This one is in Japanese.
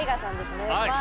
お願いします。